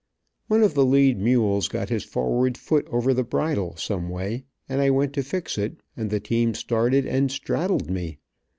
One of the lead mules got his forward foot over the bridle some way, and I went to fix it, and the team started and "straddled" me.